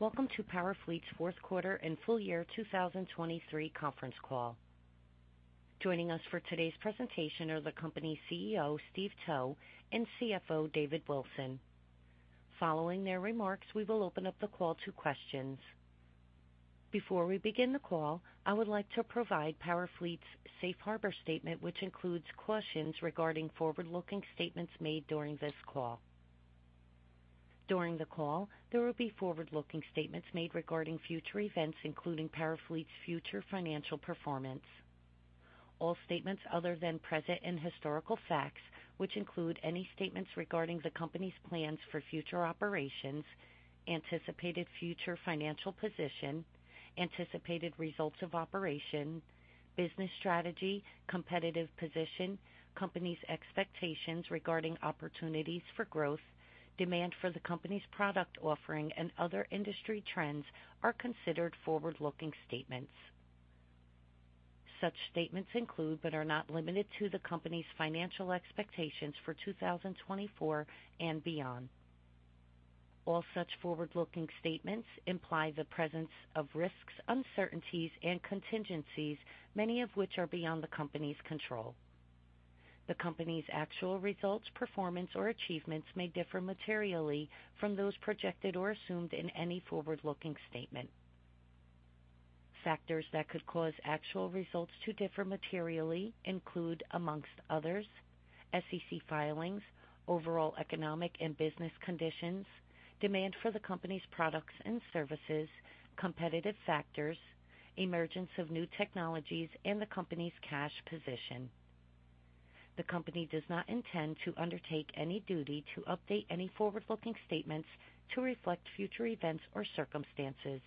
Good morning. Welcome to Powerfleet's fourth quarter and full year 2023 conference call. Joining us for today's presentation are the company's CEO, Steve Towe, and CFO, David Wilson. Following their remarks, we will open up the call to questions. Before we begin the call, I would like to provide Powerfleet's safe harbor statement, which includes cautions regarding forward-looking statements made during this call. During the call, there will be forward-looking statements made regarding future events, including Powerfleet's future financial performance. All statements other than present and historical facts, which include any statements regarding the company's plans for future operations, anticipated future financial position, anticipated results of operation, business strategy, competitive position, company's expectations regarding opportunities for growth, demand for the company's product offering, and other industry trends, are considered forward-looking statements. Such statements include, but are not limited to, the company's financial expectations for 2024 and beyond. All such forward-looking statements imply the presence of risks, uncertainties and contingencies, many of which are beyond the company's control. The company's actual results, performance or achievements may differ materially from those projected or assumed in any forward-looking statement. Factors that could cause actual results to differ materially include, among others, SEC filings, overall economic and business conditions, demand for the company's products and services, competitive factors, emergence of new technologies, and the company's cash position. The company does not intend to undertake any duty to update any forward-looking statements to reflect future events or circumstances.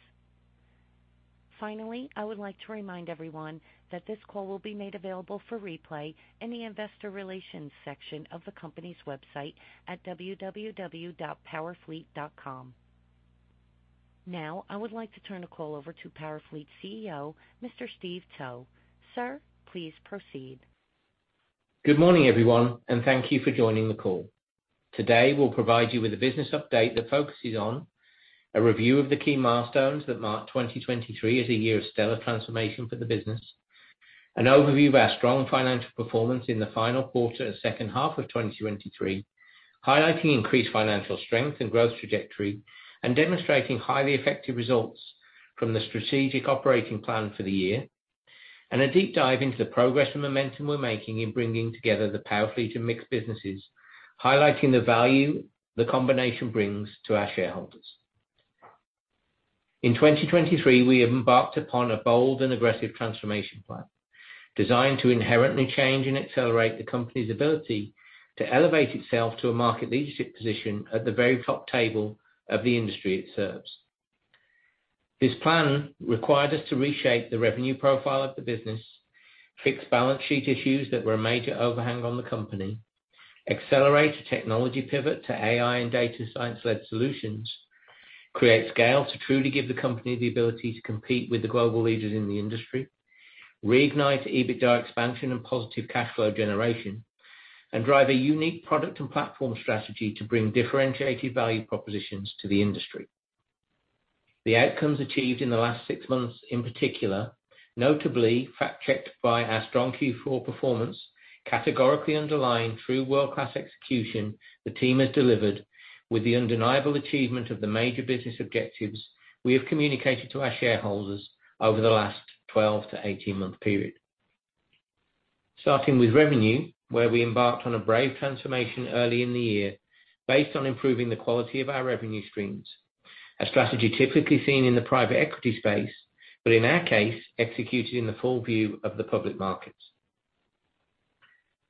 Finally, I would like to remind everyone that this call will be made available for replay in the Investor Relations section of the company's website at www.powerfleet.com. Now, I would like to turn the call over to Powerfleet CEO, Mr. Steve Towe. Sir, please proceed. Good morning, everyone, and thank you for joining the call. Today, we'll provide you with a business update that focuses on a review of the key milestones that marked 2023 as a year of stellar transformation for the business, an overview of our strong financial performance in the final quarter and second half of 2023, highlighting increased financial strength and growth trajectory, and demonstrating highly effective results from the strategic operating plan for the year, and a deep dive into the progress and momentum we're making in bringing together the Powerfleet and MiX businesses, highlighting the value the combination brings to our shareholders. In 2023, we embarked upon a bold and aggressive transformation plan designed to inherently change and accelerate the company's ability to elevate itself to a market leadership position at the very top table of the industry it serves. This plan required us to reshape the revenue profile of the business, fix balance sheet issues that were a major overhang on the company, accelerate a technology pivot to AI and data science-led solutions, create scale to truly give the company the ability to compete with the global leaders in the industry, reignite EBITDA expansion and positive cash flow generation, and drive a unique product and platform strategy to bring differentiated value propositions to the industry. The outcomes achieved in the last six months, in particular, notably fact-checked by our strong Q4 performance, categorically underlined through world-class execution the team has delivered with the undeniable achievement of the major business objectives we have communicated to our shareholders over the last 12-18-month period. Starting with revenue, where we embarked on a brave transformation early in the year based on improving the quality of our revenue streams, a strategy typically seen in the private equity space, but in our case, executed in the full view of the public markets.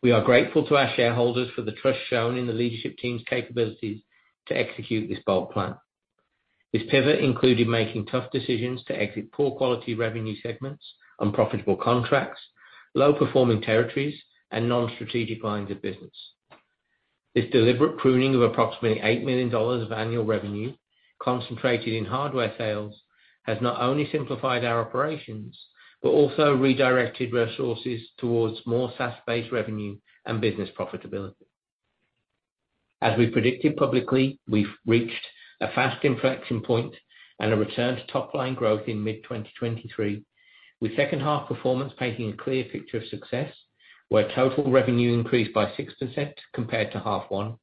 We are grateful to our shareholders for the trust shown in the leadership team's capabilities to execute this bold plan. This pivot included making tough decisions to exit poor quality revenue segments, unprofitable contracts, low-performing territories, and non-strategic lines of business. This deliberate pruning of approximately $8 million of annual revenue, concentrated in hardware sales, has not only simplified our operations, but also redirected resources towards more SaaS-based revenue and business profitability. As we predicted publicly, we've reached a fast inflection point and a return to top line growth in mid-2023, with second half performance painting a clear picture of success, where total revenue increased by 6% compared to half one,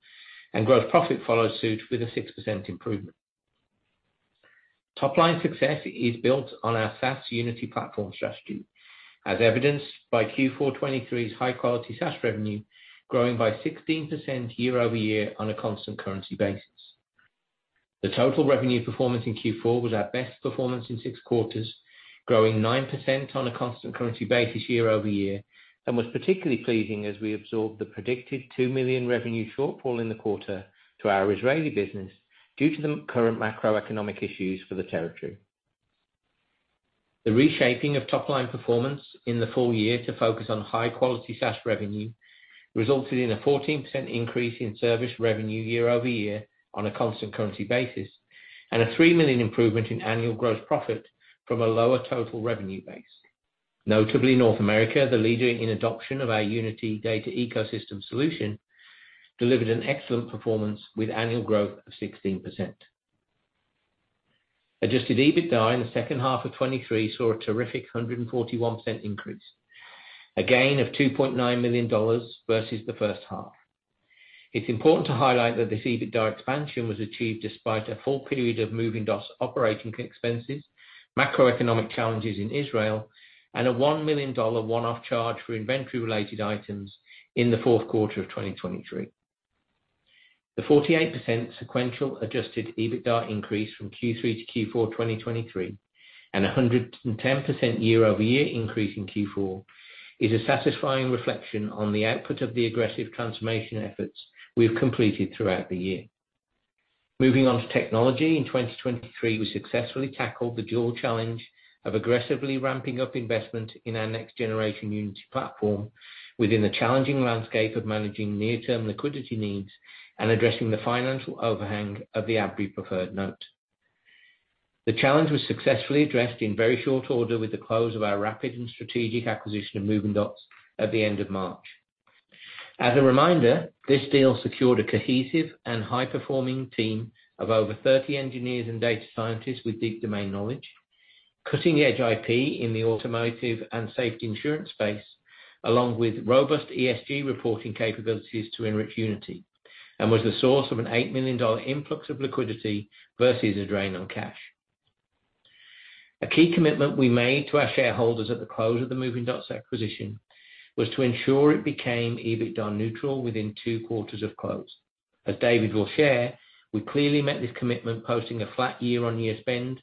and gross profit followed suit with a 6% improvement. Top line success is built on our SaaS Unity platform strategy, as evidenced by Q4 2023's high-quality SaaS revenue, growing by 16% year over year on a constant currency basis. The total revenue performance in Q4 was our best performance in six quarters, growing 9% on a constant currency basis year over year, and was particularly pleasing as we absorbed the predicted $2 million revenue shortfall in the quarter to our Israeli business due to the current macroeconomic issues for the territory. The reshaping of top line performance in the full year to focus on high-quality SaaS revenue resulted in a 14% increase in service revenue year over year on a constant currency basis, and a $3 million improvement in annual gross profit from a lower total revenue base. Notably, North America, the leader in adoption of our Unity Data Ecosystem solution, delivered an excellent performance with annual growth of 16%. Adjusted EBITDA in the second half of 2023 saw a terrific 141% increase, a gain of $2.9 million versus the first half. It's important to highlight that this EBITDA expansion was achieved despite a full period of Moving Dots operating expenses, macroeconomic challenges in Israel, and a $1 million one-off charge for inventory-related items in the fourth quarter of 2023. The 48% sequential adjusted EBITDA increase from Q3 to Q4, 2023, and a 110% year-over-year increase in Q4, is a satisfying reflection on the output of the aggressive transformation efforts we've completed throughout the year. Moving on to technology. In 2023, we successfully tackled the dual challenge of aggressively ramping up investment in our next generation Unity platform, within the challenging landscape of managing near-term liquidity needs and addressing the financial overhang of the Abry preferred note. The challenge was successfully addressed in very short order with the close of our rapid and strategic acquisition of Moving Dots at the end of March. As a reminder, this deal secured a cohesive and high-performing team of over 30 engineers and data scientists with deep domain knowledge, cutting-edge IP in the automotive and safety insurance space, along with robust ESG reporting capabilities to enrich Unity, and was the source of an $8 million influx of liquidity versus a drain on cash. A key commitment we made to our shareholders at the close of the Moving Dots acquisition was to ensure it became EBITDA neutral within 2 quarters of close. As David will share, we clearly met this commitment, posting a flat year-on-year spend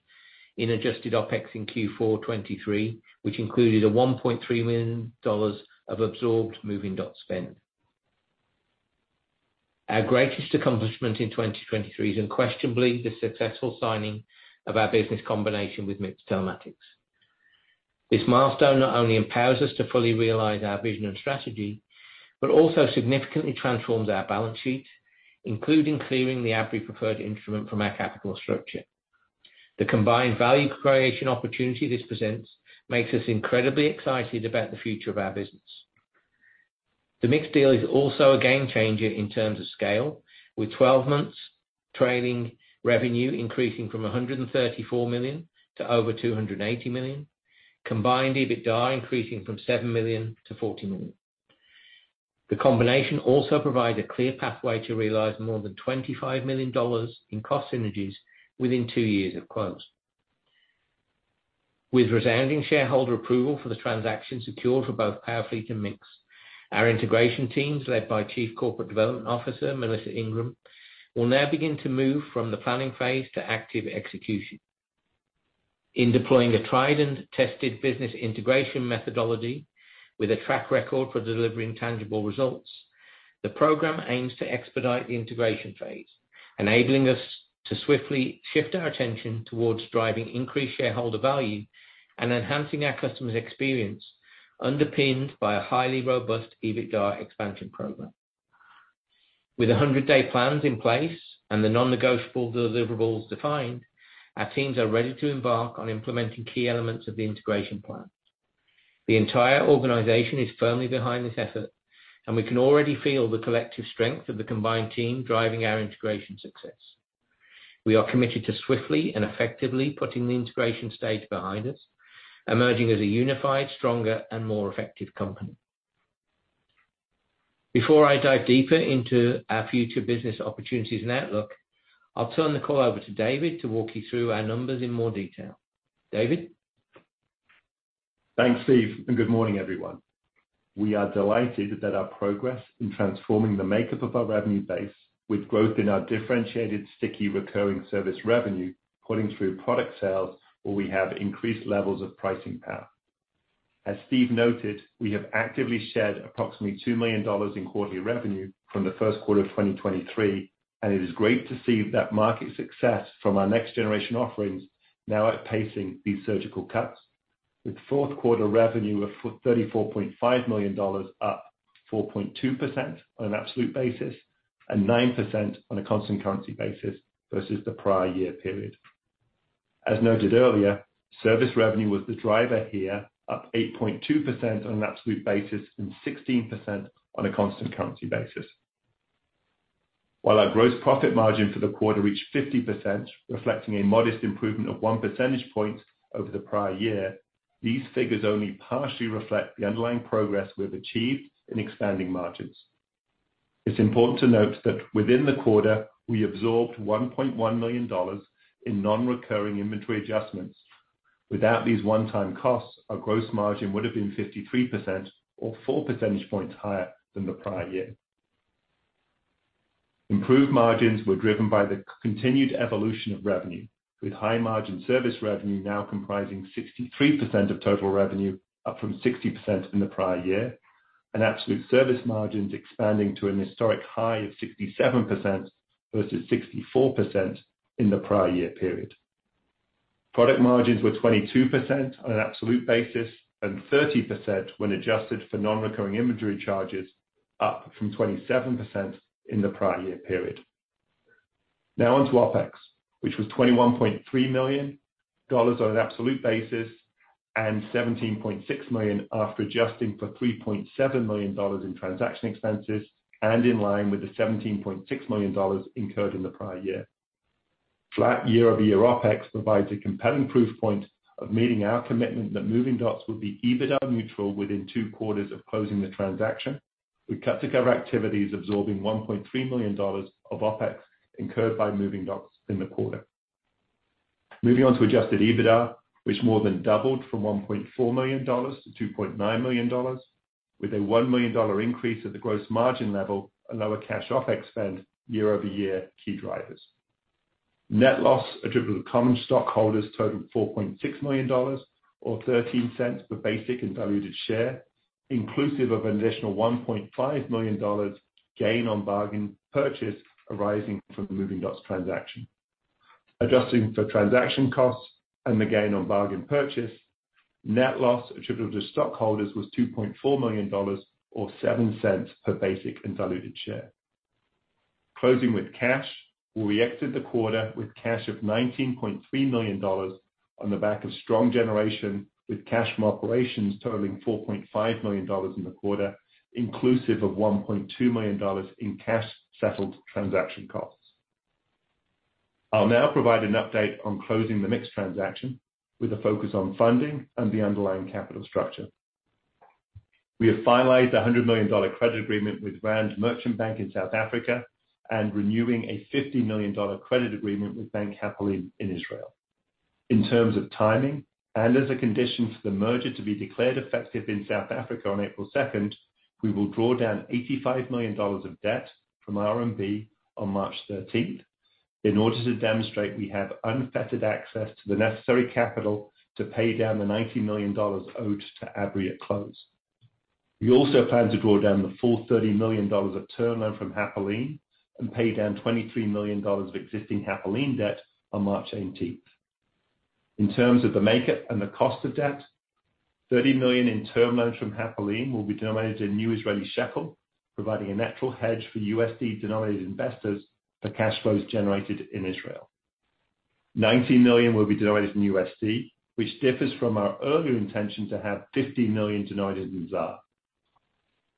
in adjusted OpEx in Q4 2023, which included a $1.3 million of absorbed Moving Dots spend. Our greatest accomplishment in 2023 is unquestionably the successful signing of our business combination with MiX Telematics. This milestone not only empowers us to fully realize our vision and strategy, but also significantly transforms our balance sheet, including clearing the Abry preferred instrument from our capital structure. The combined value creation opportunity this presents makes us incredibly excited about the future of our business. The MiX deal is also a game changer in terms of scale, with 12 months trailing revenue increasing from $134 million to over $280 million, combined EBITDA increasing from $7 million to $40 million. The combination also provides a clear pathway to realize more than $25 million in cost synergies within 2 years of close. With resounding shareholder approval for the transaction secured for both Powerfleet and MiX, our integration teams, led by Chief Corporate Development Officer, Melissa Ingram, will now begin to move from the planning phase to active execution. In deploying a tried-and-tested business integration methodology with a track record for delivering tangible results, the program aims to expedite the integration phase, enabling us to swiftly shift our attention towards driving increased shareholder value and enhancing our customers' experience, underpinned by a highly robust EBITDA expansion program. With 100-day plans in place and the non-negotiable deliverables defined, our teams are ready to embark on implementing key elements of the integration plan. The entire organization is firmly behind this effort, and we can already feel the collective strength of the combined team driving our integration success. We are committed to swiftly and effectively putting the integration stage behind us, emerging as a unified, stronger, and more effective company. Before I dive deeper into our future business opportunities and outlook, I'll turn the call over to David to walk you through our numbers in more detail. David? Thanks, Steve, and good morning, everyone. We are delighted that our progress in transforming the makeup of our revenue base with growth in our differentiated, sticky, recurring service revenue, putting through product sales where we have increased levels of pricing power. As Steve noted, we have actively shed approximately $2 million in quarterly revenue from the first quarter of 2023, and it is great to see that market success from our next generation offerings now outpacing these surgical cuts, with fourth quarter revenue of $34.5 million, up 4.2% on an absolute basis and 9% on a constant currency basis versus the prior year period. As noted earlier, service revenue was the driver here, up 8.2% on an absolute basis and 16% on a constant currency basis. While our gross profit margin for the quarter reached 50%, reflecting a modest improvement of 1 percentage point over the prior year, these figures only partially reflect the underlying progress we've achieved in expanding margins. It's important to note that within the quarter, we absorbed $1.1 million in non-recurring inventory adjustments. Without these one-time costs, our gross margin would have been 53% or 4 percentage points higher than the prior year. Improved margins were driven by the continued evolution of revenue, with high-margin service revenue now comprising 63% of total revenue, up from 60% in the prior year, and absolute service margins expanding to an historic high of 67%, versus 64% in the prior year period. Product margins were 22% on an absolute basis, and 30% when adjusted for non-recurring inventory charges, up from 27% in the prior year period. Now on to OpEx, which was $21.3 million on an absolute basis, and $17.6 million after adjusting for $3.7 million in transaction expenses, and in line with the $17.6 million incurred in the prior year. Flat year-over-year OpEx provides a compelling proof point of meeting our commitment that Moving Dots would be EBITDA neutral within two quarters of closing the transaction, with cutover activities absorbing $1.3 million of OpEx incurred by Moving Dots in the quarter. Moving on to adjusted EBITDA, which more than doubled from $1.4 million to $2.9 million, with a $1 million increase at the gross margin level and lower cash OpEx spend year-over-year, key drivers. Net loss attributable to common stockholders totaled $4.6 million, or $0.13 per basic and diluted share, inclusive of an additional $1.5 million gain on bargain purchase arising from the Moving Dots transaction. Adjusting for transaction costs and the gain on bargain purchase, net loss attributable to stockholders was $2.4 million, or $0.07 per basic and diluted share. Closing with cash, we exited the quarter with cash of $19.3 million on the back of strong generation, with cash from operations totaling $4.5 million in the quarter, inclusive of $1.2 million in cash-settled transaction costs. I'll now provide an update on closing the MiX transaction with a focus on funding and the underlying capital structure. We have finalized a $100 million credit agreement with Rand Merchant Bank in South Africa and renewing a $50 million credit agreement with Bank Hapoalim in Israel. In terms of timing, and as a condition for the merger to be declared effective in South Africa on April 2nd, we will draw down $85 million of debt from RMB on March 13th in order to demonstrate we have unfettered access to the necessary capital to pay down the $90 million owed to Abry at close. We also plan to draw down the full $30 million of term loan from Hapoalim and pay down $23 million of existing Hapoalim debt on March 18th. In terms of the makeup and the cost of debt, $30 million in term loans from Hapoalim will be denominated in new Israeli shekel, providing a natural hedge for USD-denominated investors for cash flows generated in Israel. $90 million will be denominated in USD, which differs from our earlier intention to have $50 million denominated in ZAR.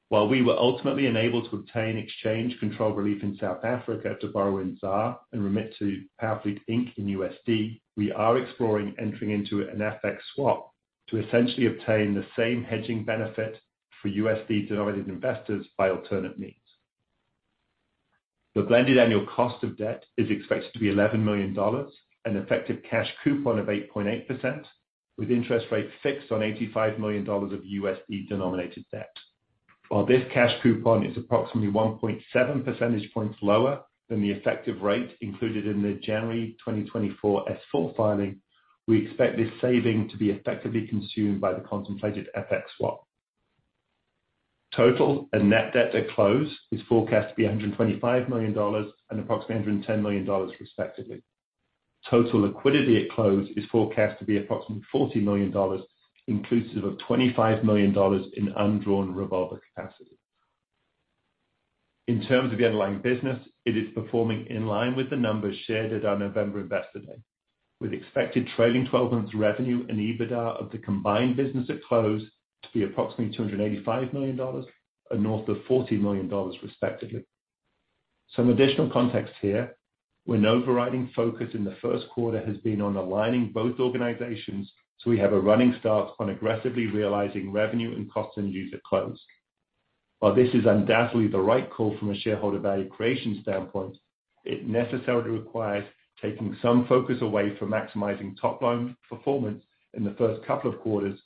While we were ultimately unable to obtain exchange control relief in South Africa to borrow in ZAR and remit to Powerfleet, Inc. in USD, we are exploring entering into an FX swap to essentially obtain the same hedging benefit for USD-denominated investors by alternate means. The blended annual cost of debt is expected to be $11 million, an effective cash coupon of 8.8%, with interest rates fixed on $85 million of USD-denominated debt. While this cash coupon is approximately 1.7 percentage points lower than the effective rate included in the January 2024 S4 filing, we expect this saving to be effectively consumed by the contemplated FX swap. Total and net debt at close is forecast to be $125 million and approximately $110 million, respectively. Total liquidity at close is forecast to be approximately $40 million, inclusive of $25 million in undrawn revolver capacity. In terms of the underlying business, it is performing in line with the numbers shared at our November investor day, with expected trailing twelve months revenue and EBITDA of the combined business at close to be approximately $285 million, and north of $40 million, respectively. Some additional context here. An overriding focus in the first quarter has been on aligning both organizations, so we have a running start on aggressively realizing revenue and cost synergies at close. While this is undoubtedly the right call from a shareholder value creation standpoint, it necessarily requires taking some focus away from maximizing top line performance in the first couple of quarters,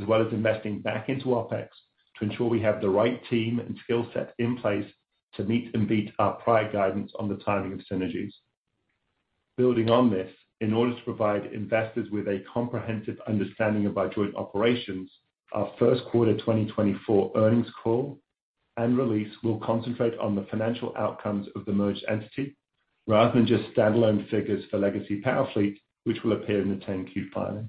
as well as investing back into OpEx to ensure we have the right team and skill set in place to meet and beat our prior guidance on the timing of synergies. Building on this, in order to provide investors with a comprehensive understanding of our joint operations, our first quarter 2024 earnings call and release will concentrate on the financial outcomes of the merged entity, rather than just standalone figures for legacy Powerfleet, which will appear in the 10-Q filing.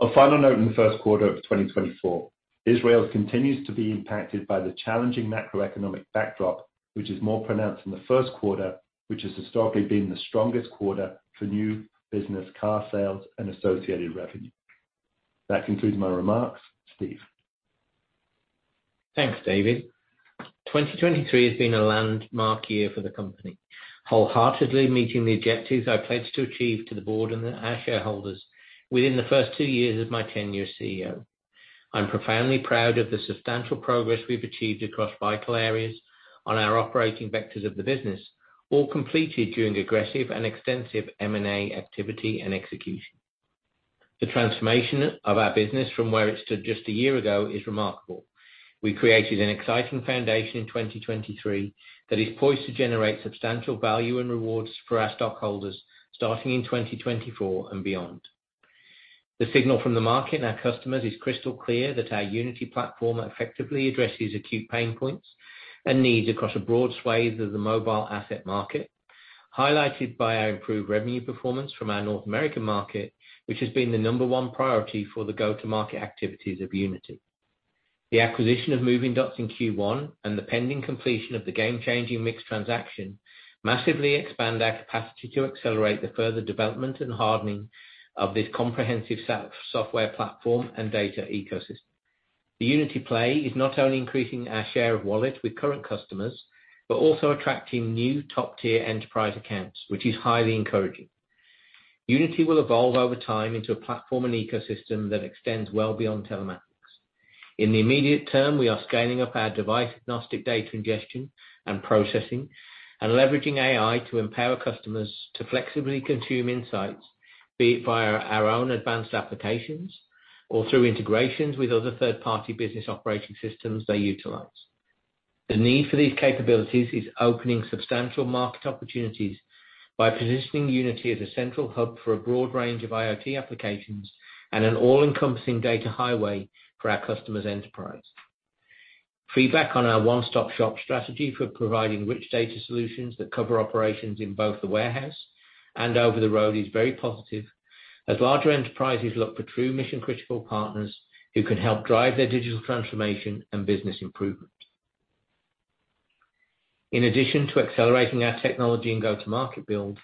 A final note in the first quarter of 2024, Israel continues to be impacted by the challenging macroeconomic backdrop, which is more pronounced in the first quarter, which has historically been the strongest quarter for new business car sales and associated revenue. That concludes my remarks. Steve? Thanks, David. 2023 has been a landmark year for the company, wholeheartedly meeting the objectives I pledged to achieve to the board and our shareholders within the first 2 years of my tenure as CEO. I'm profoundly proud of the substantial progress we've achieved across vital areas on our operating vectors of the business, all completed during aggressive and extensive M&A activity and execution. The transformation of our business from where it stood just a year ago is remarkable. We created an exciting foundation in 2023 that is poised to generate substantial value and rewards for our stockholders starting in 2024 and beyond. The signal from the market and our customers is crystal clear that our Unity platform effectively addresses acute pain points and needs across a broad swathe of the mobile asset market, highlighted by our improved revenue performance from our North American market, which has been the number 1 priority for the go-to-market activities of Unity. The acquisition of Moving Dots in Q1 and the pending completion of the game-changing MiX transaction massively expand our capacity to accelerate the further development and hardening of this comprehensive SaaS software platform and data ecosystem. The Unity play is not only increasing our share of wallet with current customers, but also attracting new top-tier enterprise accounts, which is highly encouraging. Unity will evolve over time into a platform and ecosystem that extends well beyond telematics. In the immediate term, we are scaling up our device-agnostic data ingestion and processing, and leveraging AI to empower customers to flexibly consume insights, be it via our own advanced applications or through integrations with other third-party business operating systems they utilize. The need for these capabilities is opening substantial market opportunities by positioning Unity as a central hub for a broad range of IoT applications and an all-encompassing data highway for our customers' enterprise. Feedback on our one-stop-shop strategy for providing rich data solutions that cover operations in both the warehouse and over the road is very positive, as larger enterprises look for true mission-critical partners who can help drive their digital transformation and business improvement. In addition to accelerating our technology and go-to-market build,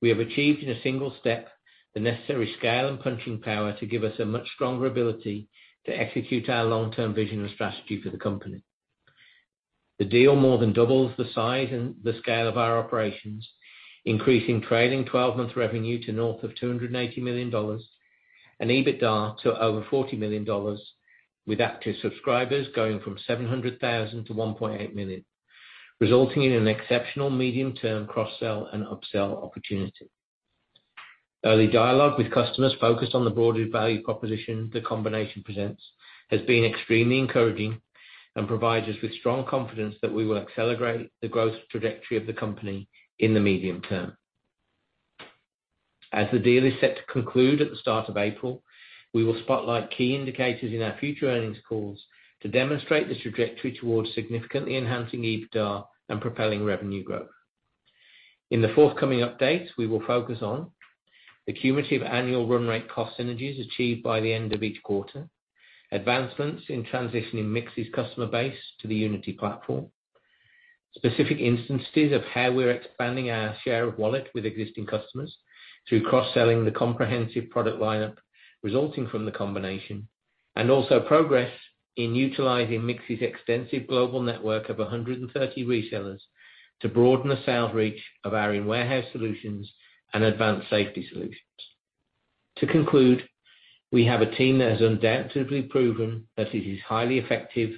we have achieved, in a single step, the necessary scale and punching power to give us a much stronger ability to execute our long-term vision and strategy for the company. The deal more than doubles the size and the scale of our operations, increasing trailing twelve-month revenue to north of $280 million, and EBITDA to over $40 million, with active subscribers going from 700,000 to 1.8 million, resulting in an exceptional medium-term cross-sell and upsell opportunity. Early dialogue with customers focused on the broader value proposition the combination presents, has been extremely encouraging, and provides us with strong confidence that we will accelerate the growth trajectory of the company in the medium term. As the deal is set to conclude at the start of April, we will spotlight key indicators in our future earnings calls to demonstrate this trajectory towards significantly enhancing EBITDA and propelling revenue growth. In the forthcoming updates, we will focus on: the cumulative annual run rate cost synergies achieved by the end of each quarter, advancements in transitioning MiX's customer base to the Unity platform, specific instances of how we're expanding our share of wallet with existing customers through cross-selling the comprehensive product lineup resulting from the combination, and also progress in utilizing MiX's extensive global network of 130 resellers to broaden the sales reach of our in-warehouse solutions and advanced safety solutions. To conclude, we have a team that has undoubtedly proven that it is highly effective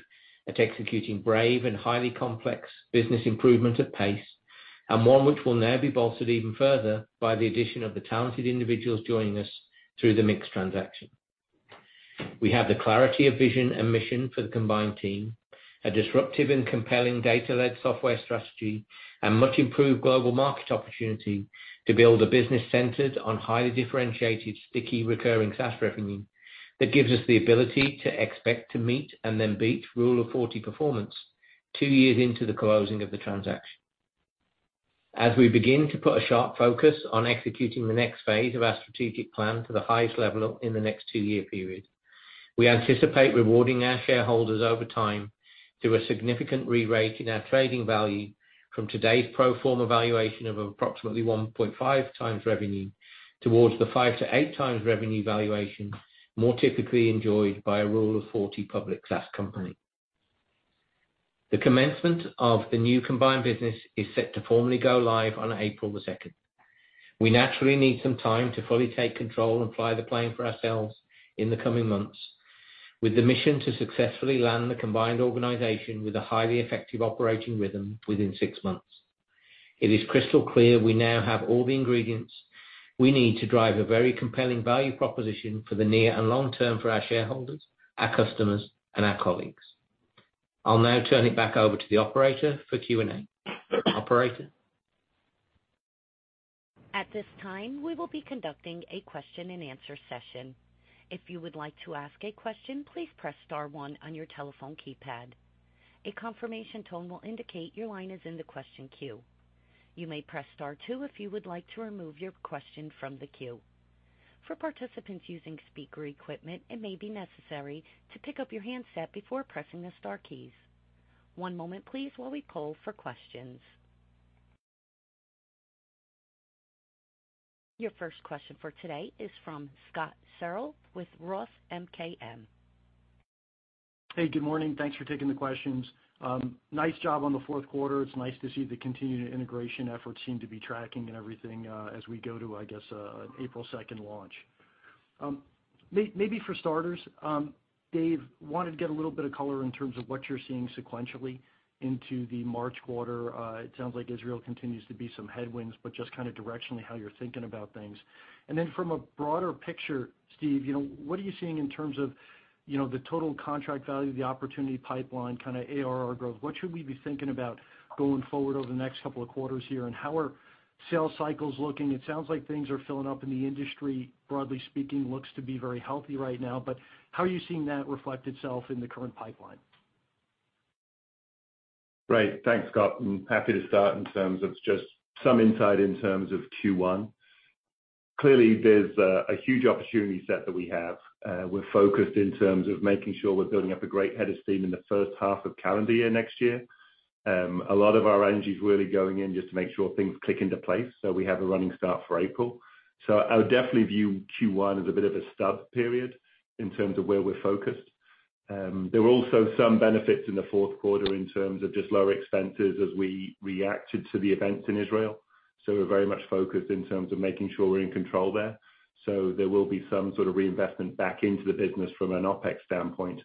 at executing brave and highly complex business improvement at pace, and one which will now be bolstered even further by the addition of the talented individuals joining us through the MiX transaction. We have the clarity of vision and mission for the combined team, a disruptive and compelling data-led software strategy, and much improved global market opportunity to build a business centered on highly differentiated, sticky, recurring SaaS revenue that gives us the ability to expect to meet and then beat Rule of Forty performance two years into the closing of the transaction. As we begin to put a sharp focus on executing the next phase of our strategic plan to the highest level in the next 2-year period, we anticipate rewarding our shareholders over time through a significant re-rate in our trading value from today's pro forma valuation of approximately 1.5 times revenue, towards the 5-8 times revenue valuation, more typically enjoyed by a Rule of Forty public SaaS company. The commencement of the new combined business is set to formally go live on April 2. We naturally need some time to fully take control and fly the plane for ourselves in the coming months, with the mission to successfully land the combined organization with a highly effective operating rhythm within six months. It is crystal clear we now have all the ingredients we need to drive a very compelling value proposition for the near and long term for our shareholders, our customers, and our colleagues. I'll now turn it back over to the operator for Q&A. Operator? At this time, we will be conducting a question-and-answer session. If you would like to ask a question, please press star one on your telephone keypad. A confirmation tone will indicate your line is in the question queue. You may press star two if you would like to remove your question from the queue. For participants using speaker equipment, it may be necessary to pick up your handset before pressing the star keys. One moment, please, while we poll for questions. Your first question for today is from Scott Searle with Roth MKM. Hey, good morning. Thanks for taking the questions. Nice job on the fourth quarter. It's nice to see the continued integration efforts seem to be tracking and everything, as we go to, I guess, an April 2 launch. Maybe for starters, Dave, wanted to get a little bit of color in terms of what you're seeing sequentially into the March quarter. It sounds like Israel continues to be some headwinds, but just kind of directionally how you're thinking about things. And then from a broader picture, Steve, you know, what are you seeing in terms of, you know, the total contract value, the opportunity pipeline, kind of ARR growth? What should we be thinking about going forward over the next couple of quarters here, and how are sales cycles looking? It sounds like things are filling up in the industry, broadly speaking, looks to be very healthy right now, but how are you seeing that reflect itself in the current pipeline?... Great, thanks, Scott, and happy to start in terms of just some insight in terms of Q1. Clearly, there's a huge opportunity set that we have. We're focused in terms of making sure we're building up a great head of steam in the first half of calendar year next year. A lot of our energy is really going in just to make sure things click into place, so we have a running start for April. So I would definitely view Q1 as a bit of a stub period in terms of where we're focused. There were also some benefits in the fourth quarter in terms of just lower expenses as we reacted to the events in Israel. So we're very much focused in terms of making sure we're in control there. There will be some sort of reinvestment back into the business from an OpEx standpoint.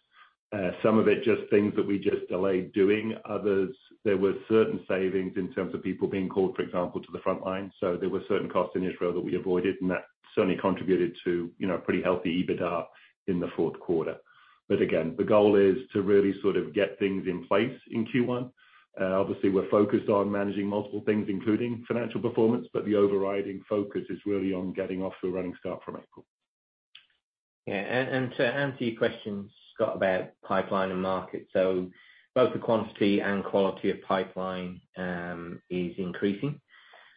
Some of it just things that we just delayed doing, others, there were certain savings in terms of people being called, for example, to the front line. There were certain costs in Israel that we avoided, and that certainly contributed to, you know, a pretty healthy EBITDA in the fourth quarter. But again, the goal is to really sort of get things in place in Q1. Obviously, we're focused on managing multiple things, including financial performance, but the overriding focus is really on getting off to a running start from April. Yeah, and to answer your question, Scott, about pipeline and market. So both the quantity and quality of pipeline is increasing.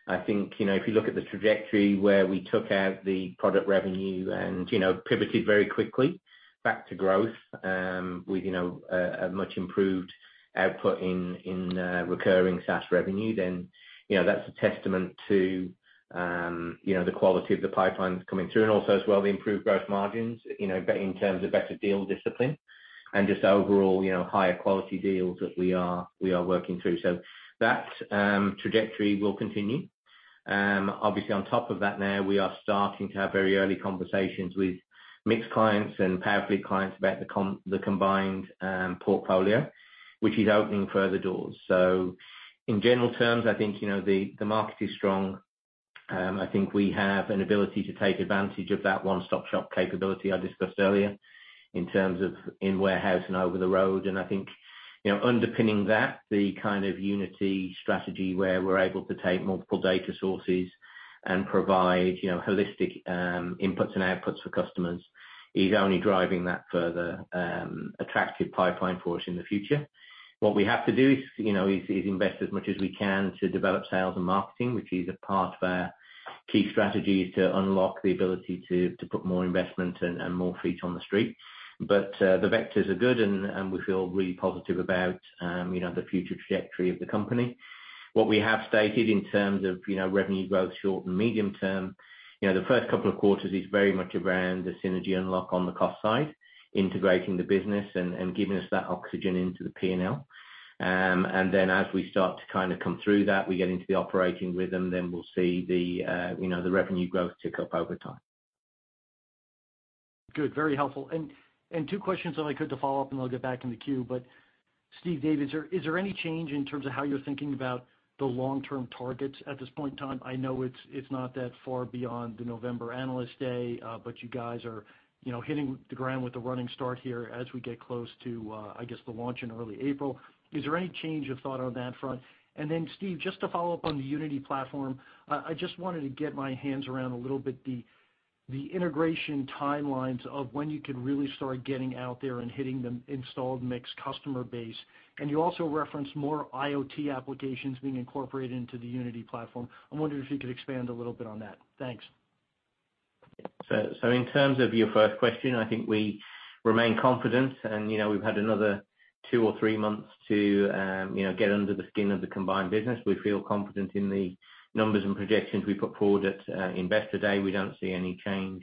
I think, you know, if you look at the trajectory where we took out the product revenue and, you know, pivoted very quickly back to growth, with a much improved output in recurring SaaS revenue, then, you know, that's a testament to the quality of the pipelines coming through and also as well, the improved growth margins, you know, in terms of better deal discipline and just overall, you know, higher quality deals that we are working through. So that trajectory will continue. Obviously, on top of that, now we are starting to have very early conversations with MiX clients and Powerfleet clients about the combined portfolio, which is opening further doors. So in general terms, I think, you know, the market is strong. I think we have an ability to take advantage of that one-stop-shop capability I discussed earlier in terms of in warehouse and over the road, and I think, you know, underpinning that, the kind of Unity strategy where we're able to take multiple data sources and provide, you know, holistic inputs and outputs for customers is only driving that further attractive pipeline for us in the future. What we have to do is, you know, to invest as much as we can to develop sales and marketing, which is a part of our key strategy, to unlock the ability to put more investment and more feet on the street. But the vectors are good, and we feel really positive about, you know, the future trajectory of the company. What we have stated in terms of, you know, revenue growth, short and medium term, you know, the first couple of quarters is very much around the synergy unlock on the cost side, integrating the business and giving us that oxygen into the P&L. And then as we start to kind of come through that, we get into the operating rhythm, then we'll see the, you know, the revenue growth tick up over time. Good, very helpful. And two questions, if I could, to follow up, and I'll get back in the queue. But Steve Davis, is there any change in terms of how you're thinking about the long-term targets at this point in time? I know it's not that far beyond the November Analyst Day, but you guys are, you know, hitting the ground with the running start here as we get close to, I guess, the launch in early April. Is there any change of thought on that front? And then, Steve, just to follow up on the Unity platform, I just wanted to get my hands around a little bit the integration timelines of when you can really start getting out there and hitting the installed MiX customer base. And you also referenced more IoT applications being incorporated into the Unity platform. I'm wondering if you could expand a little bit on that. Thanks. So in terms of your first question, I think we remain confident and, you know, we've had another two or three months to, you know, get under the skin of the combined business. We feel confident in the numbers and projections we put forward at Investor Day. We don't see any change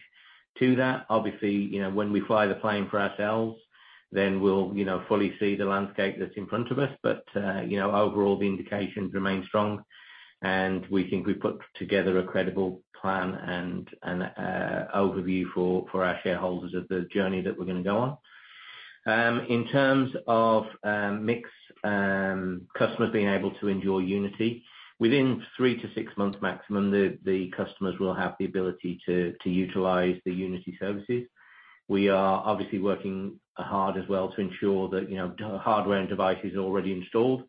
to that. Obviously, you know, when we fly the plane for ourselves, then we'll, you know, fully see the landscape that's in front of us. But, you know, overall, the indications remain strong, and we think we've put together a credible plan and overview for our shareholders of the journey that we're gonna go on. In terms of MiX customers being able to enjoy Unity, within three to six months maximum, the customers will have the ability to utilize the Unity services. We are obviously working hard as well to ensure that, you know, hardware and devices already installed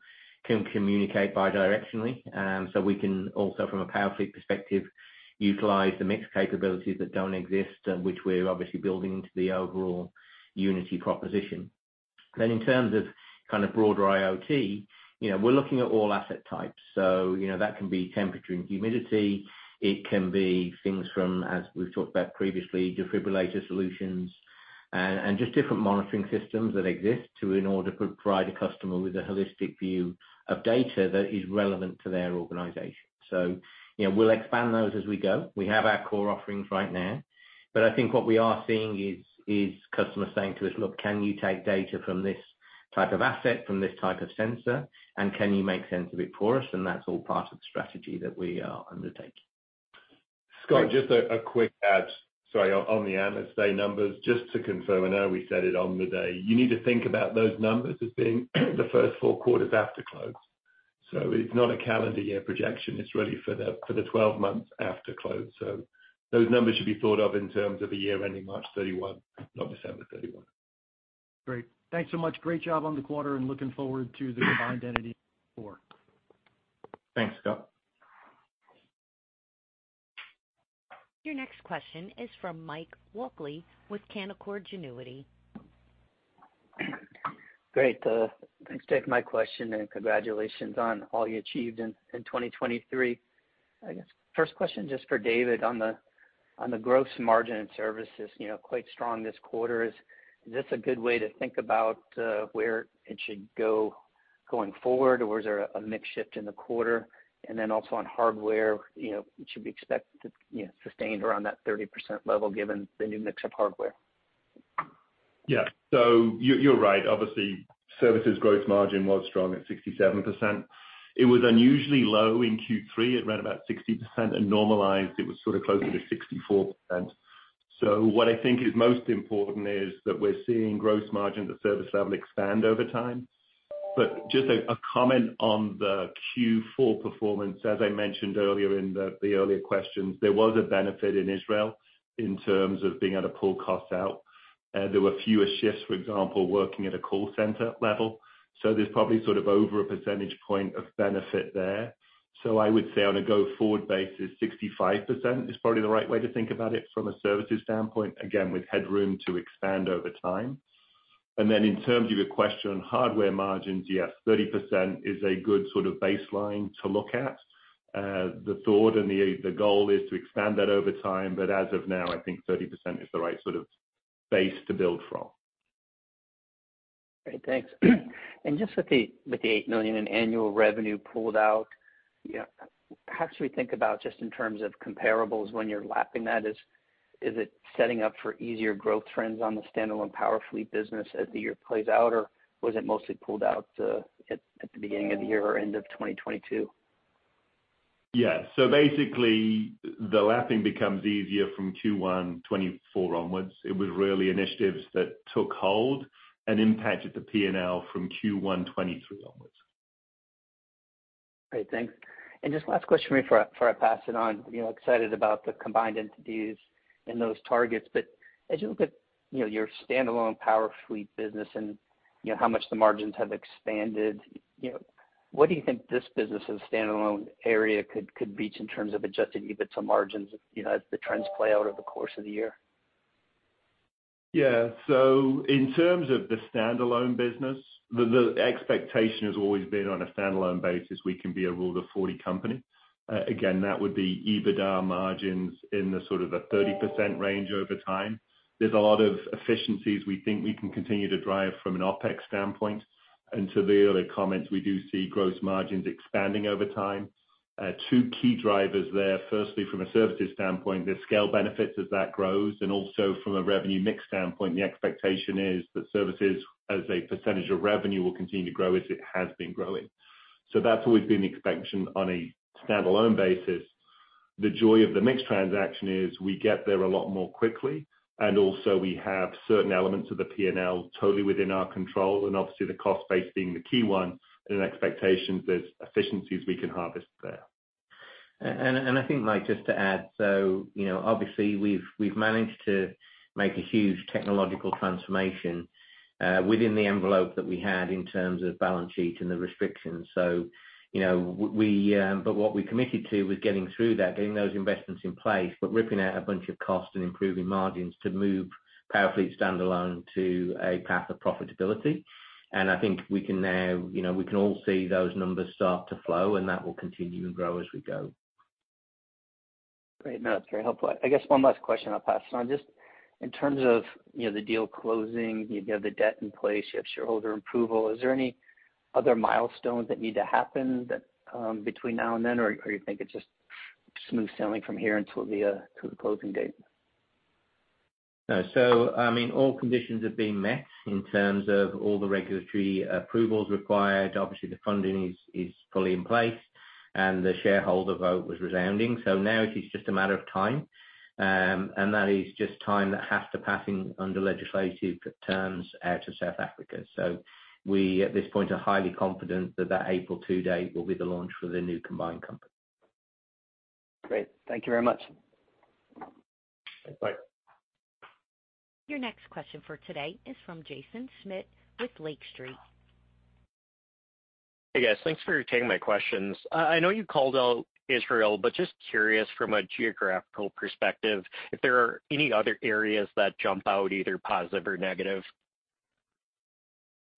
can communicate bidirectionally. So we can also, from a Powerfleet perspective, utilize the MiX capabilities that don't exist, and which we're obviously building into the overall Unity proposition. Then in terms of kind of broader IoT, you know, we're looking at all asset types, so you know, that can be temperature and humidity. It can be things from, as we've talked about previously, defibrillator solutions, and just different monitoring systems that exist to, in order to provide a customer with a holistic view of data that is relevant to their organization. So, you know, we'll expand those as we go. We have our core offerings right now, but I think what we are seeing is customers saying to us, "Look, can you take data from this type of asset, from this type of sensor, and can you make sense of it for us?" And that's all part of the strategy that we are undertaking. Scott, just a quick add, sorry, on the Analyst Day numbers, just to confirm, I know we said it on the day. You need to think about those numbers as being the first 4 quarters after close. So it's not a calendar year projection, it's really for the 12 months after close. So those numbers should be thought of in terms of a year ending March 31, not December 31. Great. Thanks so much. Great job on the quarter and looking forward to the combined entity going forward. Thanks, Scott.... Your next question is from Mike Walkley with Canaccord Genuity. Great, thanks for taking my question, and congratulations on all you achieved in 2023. I guess, first question, just for David on the, on the gross margin and services, you know, quite strong this quarter. Is this a good way to think about, where it should go going forward? Or was there a mix shift in the quarter? And then also on hardware, you know, it should be expected to, you know, sustain around that 30% level, given the new mix of hardware. Yeah. So you're right. Obviously, services gross margin was strong at 67%. It was unusually low in Q3, at around about 60%, and normalized, it was sort of closer to 64%. So what I think is most important is that we're seeing gross margin at service level expand over time. But just a comment on the Q4 performance, as I mentioned earlier in the earlier questions, there was a benefit in Israel in terms of being able to pull costs out. There were fewer shifts, for example, working at a call center level, so there's probably sort of over a percentage point of benefit there. So I would say on a go-forward basis, 65% is probably the right way to think about it from a services standpoint, again, with headroom to expand over time. And then in terms of your question on hardware margins, yes, 30% is a good sort of baseline to look at. The thought and the goal is to expand that over time, but as of now, I think 30% is the right sort of base to build from. Great, thanks. And just with the $8 million in annual revenue pulled out, you know, how should we think about, just in terms of comparables when you're lapping that, is it setting up for easier growth trends on the standalone Powerfleet business as the year plays out, or was it mostly pulled out at the beginning of the year or end of 2022? Yeah. So basically, the lapping becomes easier from Q1 2024 onwards. It was really initiatives that took hold and impacted the P&L from Q1 2023 onwards. Great, thanks. Just last question before I pass it on. You know, excited about the combined entities and those targets, but as you look at, you know, your standalone Powerfleet business and, you know, how much the margins have expanded, you know, what do you think this business' standalone EBITDA could reach in terms of adjusted EBITDA margins, you know, as the trends play out over the course of the year? Yeah. So in terms of the standalone business, the expectation has always been on a standalone basis, we can be a Rule of Forty company. Again, that would be EBITDA margins in the sort of 30% range over time. There's a lot of efficiencies we think we can continue to drive from an OpEx standpoint, and to the earlier comments, we do see gross margins expanding over time. Two key drivers there, firstly, from a services standpoint, there's scale benefits as that grows, and also from a revenue MiX standpoint, the expectation is that services as a percentage of revenue will continue to grow as it has been growing. So that's always been the expectation on a standalone basis. The joy of the MiX transaction is we get there a lot more quickly, and also we have certain elements of the P&L totally within our control, and obviously, the cost base being the key one, and an expectation there's efficiencies we can harvest there. And I think, Mike, just to add, so you know, obviously, we've managed to make a huge technological transformation within the envelope that we had in terms of balance sheet and the restrictions. So you know, but what we committed to was getting through that, getting those investments in place, but ripping out a bunch of costs and improving margins to move Powerfleet standalone to a path of profitability. And I think we can now, you know, we can all see those numbers start to flow, and that will continue to grow as we go. Great. No, that's very helpful. I guess one last question, I'll pass it on. Just in terms of, you know, the deal closing, you know, the debt in place, you have shareholder approval, is there any other milestones that need to happen that, between now and then, or, or you think it's just smooth sailing from here until the, to the closing date? So, I mean, all conditions have been met in terms of all the regulatory approvals required. Obviously, the funding is fully in place, and the shareholder vote was resounding. So now it is just a matter of time, and that is just time that has to pass in under legislative terms out of South Africa. So we, at this point, are highly confident that that April 2 date will be the launch for the new combined company. Great. Thank you very much. Thanks, Mike. Your next question for today is from Jaeson Schmidt with Lake Street. Hey, guys. Thanks for taking my questions. I know you called out Israel, but just curious from a geographical perspective, if there are any other areas that jump out, either positive or negative?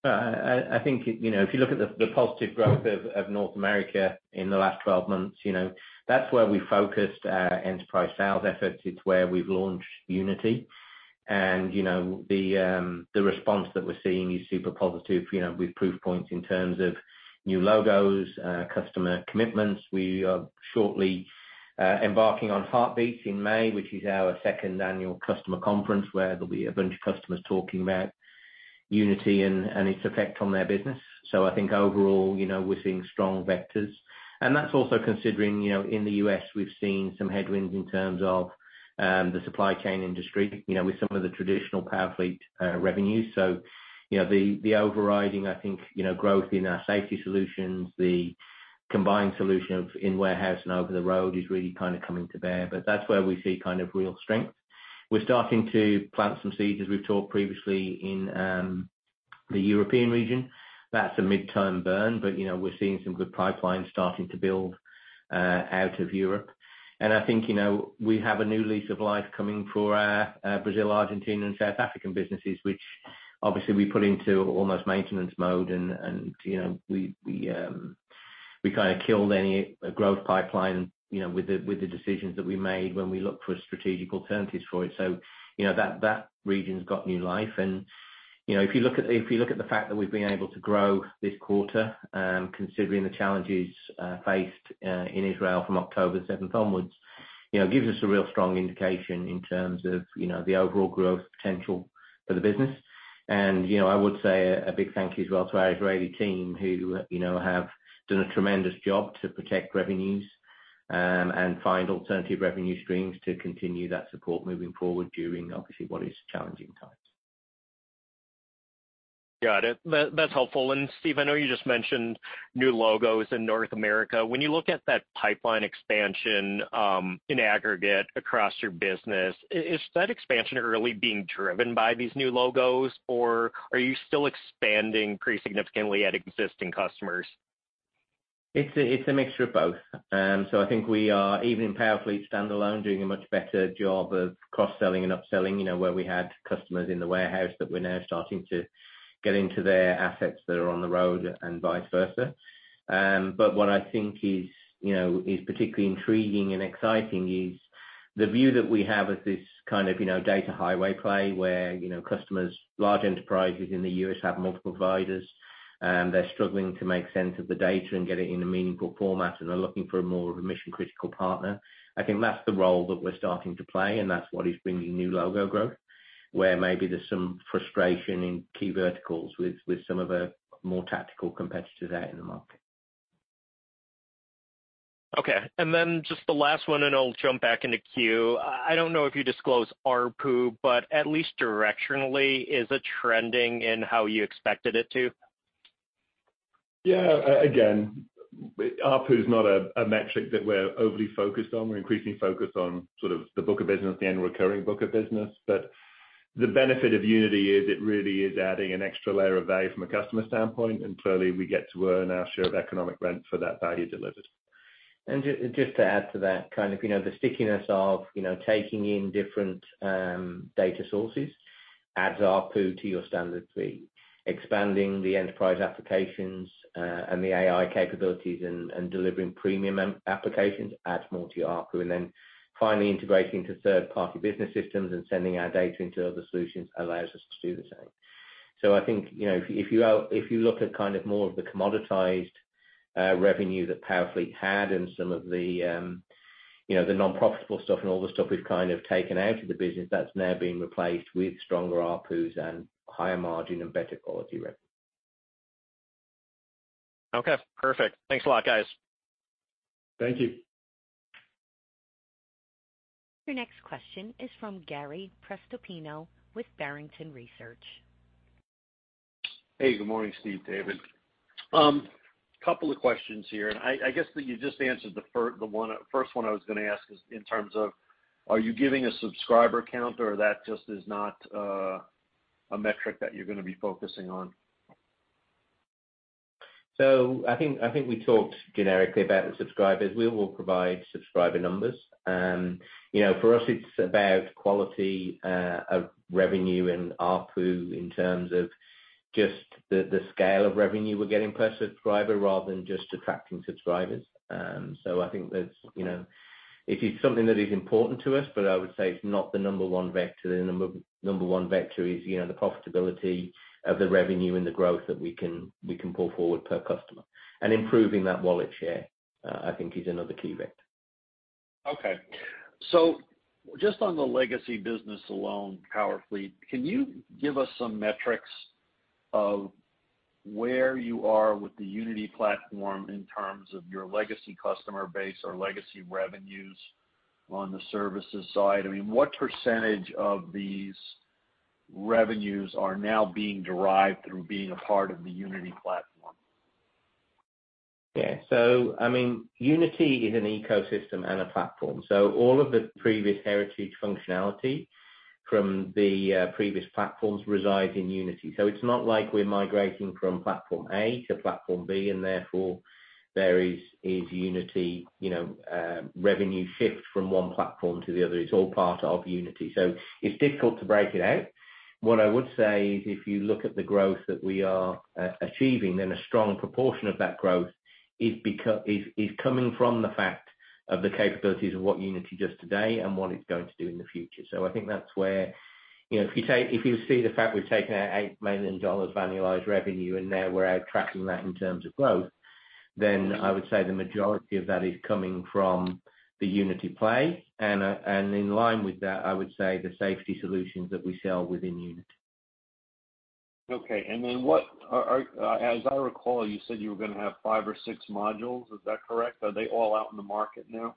I think, you know, if you look at the positive growth of North America in the last 12 months, you know, that's where we focused our enterprise sales efforts. It's where we've launched Unity. You know, the response that we're seeing is super positive. You know, with proof points in terms of new logos, customer commitments. We are shortly embarking on Heartbeat in May, which is our second annual customer conference, where there'll be a bunch of customers talking about Unity and its effect on their business. So I think overall, you know, we're seeing strong vectors, and that's also considering, you know, in the US, we've seen some headwinds in terms of the supply chain industry, you know, with some of the traditional Powerfleet revenues. So, you know, the overriding, I think, you know, growth in our safety solutions, the combined solution of in warehouse and over the road, is really kind of coming to bear, but that's where we see kind of real strength. We're starting to plant some seeds, as we've talked previously, in the European region, that's a midterm burn, but, you know, we're seeing some good pipelines starting to build out of Europe. And I think, you know, we have a new lease of life coming for our Brazil, Argentina, and South African businesses, which obviously we put into almost maintenance mode. And, you know, we kind of killed any growth pipeline, you know, with the decisions that we made when we looked for strategic alternatives for it. So, you know, that region's got new life. You know, if you look at, if you look at the fact that we've been able to grow this quarter, considering the challenges faced in Israel from October seventh onwards, you know, it gives us a real strong indication in terms of, you know, the overall growth potential for the business. You know, I would say a, a big thank you as well to our Israeli team, who, you know, have done a tremendous job to protect revenues and find alternative revenue streams to continue that support moving forward during obviously what is challenging times. Got it. That, that's helpful. Steve, I know you just mentioned new logos in North America. When you look at that pipeline expansion, in aggregate across your business, is that expansion really being driven by these new logos, or are you still expanding pretty significantly at existing customers? It's a mixture of both. So I think we are, even in Powerfleet standalone, doing a much better job of cross-selling and upselling, you know, where we had customers in the warehouse that we're now starting to get into their assets that are on the road and vice versa. But what I think is, you know, is particularly intriguing and exciting is the view that we have of this kind of, you know, data highway play, where, you know, customers, large enterprises in the U.S. have multiple providers, and they're struggling to make sense of the data and get it in a meaningful format, and are looking for more of a mission-critical partner. I think that's the role that we're starting to play, and that's what is bringing new logo growth, where maybe there's some frustration in key verticals with some of our more tactical competitors out in the market. Okay. And then just the last one, and I'll jump back in the queue. I don't know if you disclose ARPU, but at least directionally, is it trending in how you expected it to? Yeah. Again, ARPU is not a metric that we're overly focused on. We're increasingly focused on sort of the book of business, the annual recurring book of business. But the benefit of Unity is it really is adding an extra layer of value from a customer standpoint, and clearly, we get to earn our share of economic rent for that value delivered. And just to add to that, kind of, you know, the stickiness of, you know, taking in different data sources adds ARPU to your standard fee. Expanding the enterprise applications and the AI capabilities and delivering premium applications adds more to your ARPU. And then finally, integrating to third-party business systems and sending our data into other solutions allows us to do the same. So I think, you know, if you look at kind of more of the commoditized revenue that Powerfleet had and some of the, you know, the non-profitable stuff and all the stuff we've kind of taken out of the business, that's now been replaced with stronger ARPUs and higher margin and better quality revenue. Okay, perfect. Thanks a lot, guys. Thank you. Your next question is from Gary Prestopino with Barrington Research. Hey, good morning, Steve, David. A couple of questions here, and I guess that you just answered the one, first one I was gonna ask is in terms of, are you giving a subscriber count or that just is not a metric that you're gonna be focusing on? So I think, I think we talked generically about the subscribers. We will provide subscriber numbers. You know, for us, it's about quality of revenue and ARPU in terms of just the, the scale of revenue we're getting per subscriber rather than just attracting subscribers. So I think there's, you know... It is something that is important to us, but I would say it's not the number one vector. The number, number one vector is, you know, the profitability of the revenue and the growth that we can, we can pull forward per customer. And improving that wallet share, I think is another key vector. Okay. So just on the legacy business alone, Powerfleet, can you give us some metrics of where you are with the Unity platform in terms of your legacy customer base or legacy revenues on the services side? I mean, what percentage of these revenues are now being derived through being a part of the Unity platform? Yeah. So I mean, Unity is an ecosystem and a platform. So all of the previous heritage functionality from the previous platforms reside in Unity. So it's not like we're migrating from platform A to platform B, and therefore, there is Unity, you know, revenue shift from one platform to the other. It's all part of Unity, so it's difficult to break it out. What I would say is, if you look at the growth that we are achieving, then a strong proportion of that growth is coming from the fact of the capabilities of what Unity does today and what it's going to do in the future. So I think that's where... You know, if you see the fact we've taken out $8 million of annualized revenue, and now we're outtracking that in terms of growth, then I would say the majority of that is coming from the Unity play. And, and in line with that, I would say the safety solutions that we sell within Unity. Okay. And then what? Are... As I recall, you said you were gonna have five or six modules. Is that correct? Are they all out in the market now?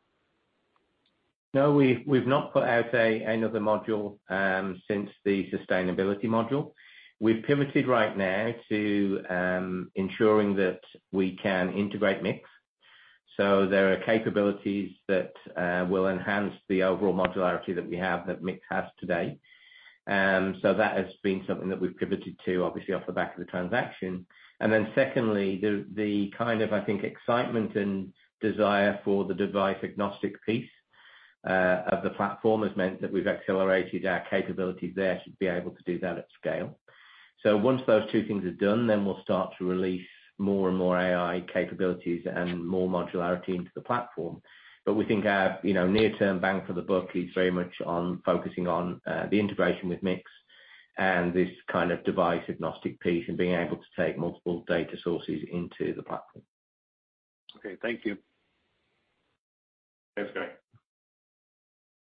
No, we've not put out another module since the sustainability module. We've pivoted right now to ensuring that we can integrate MiX. So there are capabilities that will enhance the overall modularity that we have, that MiX has today. So that has been something that we've pivoted to, obviously, off the back of the transaction. And then secondly, the kind of, I think, excitement and desire for the device-agnostic piece of the platform has meant that we've accelerated our capabilities there to be able to do that at scale. So once those two things are done, then we'll start to release more and more AI capabilities and more modularity into the platform. But we think our, you know, near-term bang for the buck is very much on focusing on the integration with MiX and this kind of device-agnostic piece, and being able to take multiple data sources into the platform. Okay, thank you. Thanks, Gary.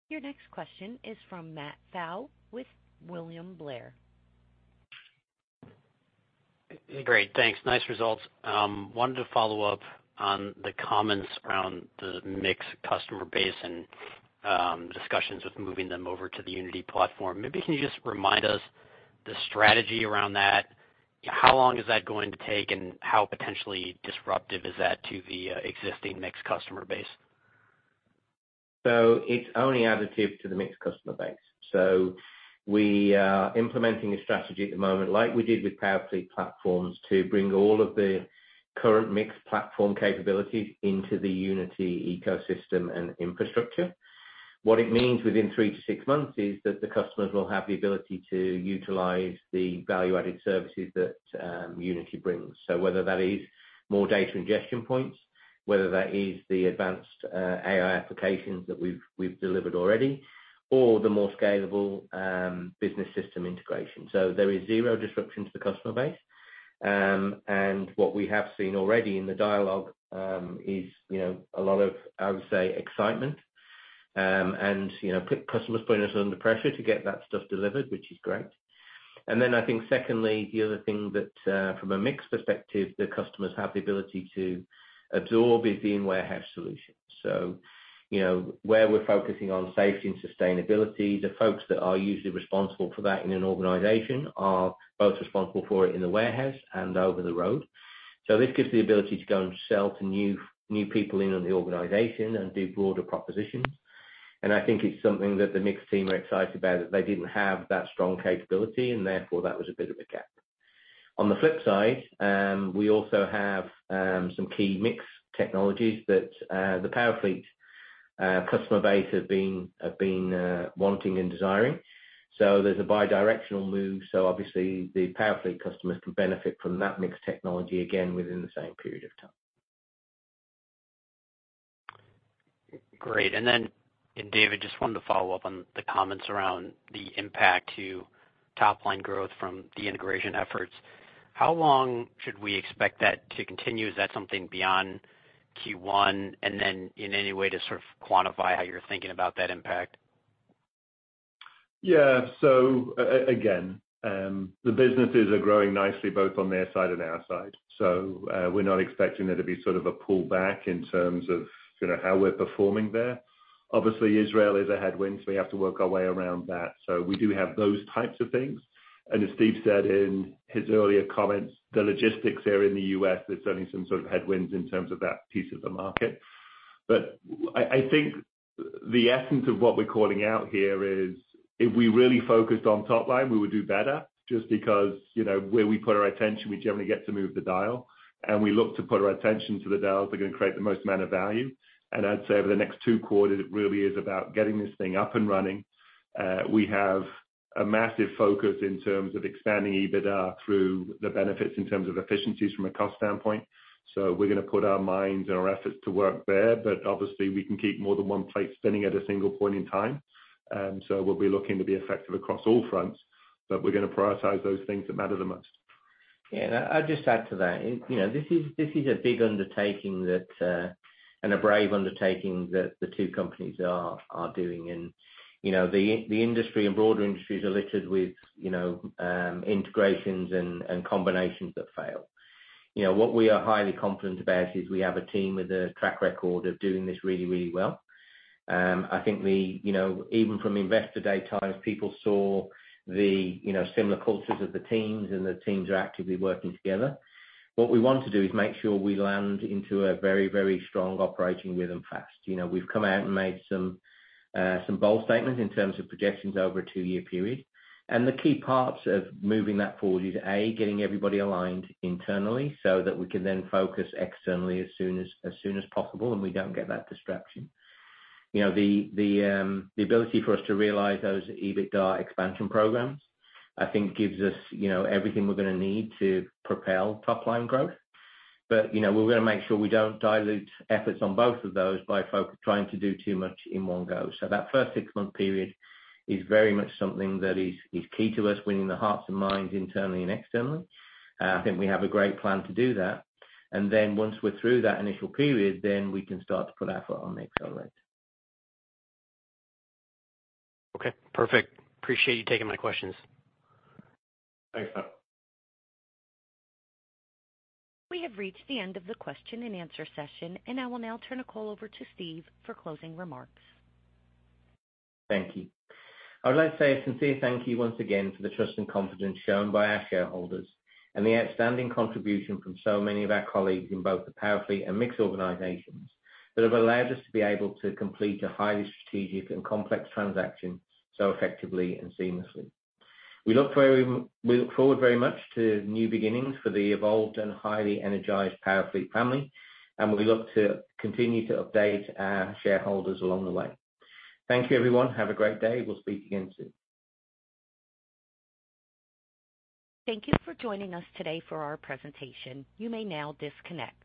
Your next question is from Matt Fowle with William Blair. Great, thanks. Nice results. Wanted to follow up on the comments around the MiX customer base and, discussions with moving them over to the Unity platform. Maybe can you just remind us the strategy around that? How long is that going to take, and how potentially disruptive is that to the existing MiX customer base? So it's only additive to the MiX customer base. So we are implementing a strategy at the moment, like we did with Powerfleet platforms, to bring all of the current MiX platform capabilities into the Unity ecosystem and infrastructure. What it means within 3-6 months is that the customers will have the ability to utilize the value-added services that Unity brings. So whether that is more data ingestion points, whether that is the advanced AI applications that we've delivered already, or the more scalable business system integration. So there is zero disruption to the customer base. And what we have seen already in the dialogue is, you know, a lot of, I would say, excitement. And, you know, customers putting us under pressure to get that stuff delivered, which is great. And then I think secondly, the other thing that, from a MiX perspective, the customers have the ability to absorb is the in-warehouse solution. So, you know, where we're focusing on safety and sustainability, the folks that are usually responsible for that in an organization are both responsible for it in the warehouse and over the road. So this gives the ability to go and sell to new, new people in on the organization and do broader propositions. And I think it's something that the MiX team are excited about, that they didn't have that strong capability, and therefore, that was a bit of a gap. On the flip side, we also have some key MiX technologies that the Powerfleet customer base have been wanting and desiring. So there's a bidirectional move, so obviously, the Powerfleet customers can benefit from that MiX technology again within the same period of time. Great. And then, and David, just wanted to follow up on the comments around the impact to top line growth from the integration efforts. How long should we expect that to continue? Is that something beyond Q1? And then in any way to sort of quantify how you're thinking about that impact? Yeah. So, again, the businesses are growing nicely, both on their side and our side. So, we're not expecting there to be sort of a pullback in terms of, you know, how we're performing there. Obviously, Israel is a headwind, so we have to work our way around that. So we do have those types of things, and as Steve said in his earlier comments, the logistics here in the U.S., there's certainly some sort of headwinds in terms of that piece of the market. But I, I think the essence of what we're calling out here is, if we really focused on top line, we would do better, just because, you know, where we put our attention, we generally get to move the dial, and we look to put our attention to the dial that are gonna create the most amount of value. I'd say over the next two quarters, it really is about getting this thing up and running. We have a massive focus in terms of expanding EBITDA through the benefits in terms of efficiencies from a cost standpoint, so we're gonna put our minds and our efforts to work there. But obviously, we can keep more than one plate spinning at a single point in time. So we'll be looking to be effective across all fronts, but we're gonna prioritize those things that matter the most. Yeah, and I'd just add to that. You know, this is a big undertaking, and a brave undertaking that the two companies are doing. You know, the industry and broader industries are littered with integrations and combinations that fail. You know, what we are highly confident about is we have a team with a track record of doing this really, really well. I think we, you know, even from Investor Day time, people saw the similar cultures of the teams, and the teams are actively working together. What we want to do is make sure we land into a very, very strong operating rhythm fast. You know, we've come out and made some bold statements in terms of projections over a two-year period, and the key parts of moving that forward is, A, getting everybody aligned internally, so that we can then focus externally as soon as possible, and we don't get that distraction. You know, the ability for us to realize those EBITDA expansion programs, I think gives us everything we're gonna need to propel top line growth. But, you know, we're gonna make sure we don't dilute efforts on both of those by trying to do too much in one go. So that first six-month period is very much something that is key to us winning the hearts and minds internally and externally. I think we have a great plan to do that. Then once we're through that initial period, then we can start to put our foot on the accelerator. Okay, perfect. Appreciate you taking my questions. Thanks, Matt. We have reached the end of the question and answer session, and I will now turn the call over to Steve for closing remarks. Thank you. I would like to say a sincere thank you once again for the trust and confidence shown by our shareholders, and the outstanding contribution from so many of our colleagues in both the Powerfleet and MiX organizations, that have allowed us to be able to complete a highly strategic and complex transaction so effectively and seamlessly. We look forward very much to new beginnings for the evolved and highly energized Powerfleet family, and we look to continue to update our shareholders along the way. Thank you, everyone. Have a great day. We'll speak again soon. Thank you for joining us today for our presentation. You may now disconnect.